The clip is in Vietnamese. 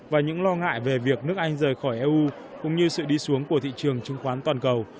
và những lo ngại về việc nước anh rời khỏi eu cũng như sự đi xuống của thị trường chứng khoán toàn cầu